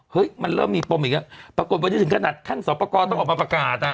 มันเริ่มมีปมอีกแล้วปรากฏวันนี้ถึงขนาดขั้นสอบประกอบต้องออกมาประกาศอ่ะ